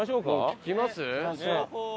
聞きます？